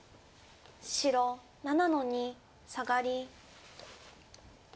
白７の二サガリ。